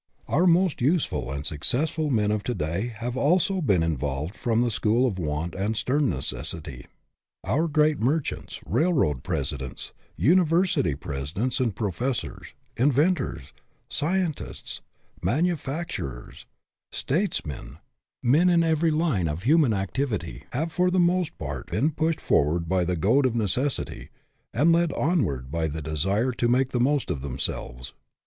Our most useful and successful men of to day have, also, been evolved from the school of want and stern necessity. Our great merchants, railroad presidents, university presidents and profes sors, inventors, scientists, manufacturers, statesmen men in every line of human activity have for the most part, been pushed forward by the goad of necessity, and led onward by the desire to make the most of themselves.